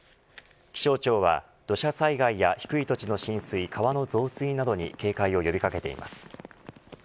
気象庁は土砂災害や低い土地の浸水川の増水などに警戒を呼び掛けています。